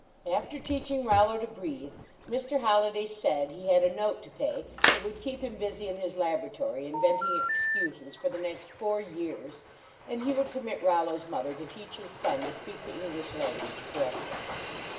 After teaching Rollo to breathe, Mr. Hol liday said he had a note to pay that would keep him busy in his laboratory, inventing excuses, for the next four years, and he would permit Rollo s mother to teach his son to speak the English language correctly.